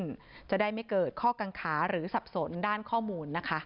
ซึ่งจะได้ไม่เกิดข้อกังขาหรือสับสนด้านข้อมูลนะคะ